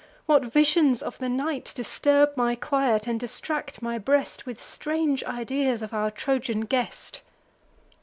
what visions of the night Disturb my quiet, and distract my breast With strange ideas of our Trojan guest!